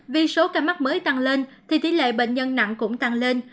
vì số ca mắc mới tăng lên thì tỷ lệ bệnh nhân nặng cũng tăng lên